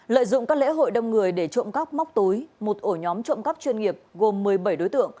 lợi dụng các lễ hội đông người để trộm cắp móc túi một ổ nhóm trộm cắp chuyên nghiệp gồm một mươi bảy đối tượng